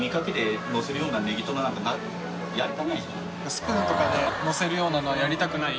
スプーンとかで乗せるようなのはやりたくない？